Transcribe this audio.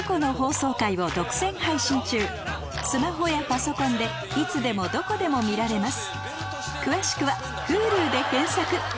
スマホやパソコンでいつでもどこでも見られます